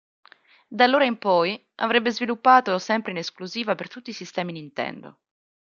Da allora in poi avrebbe sviluppato sempre in esclusiva per tutti i sistemi Nintendo.